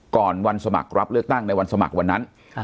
ก่อนวันสมัครรับเลือกตั้งในวันสมัครวันนั้น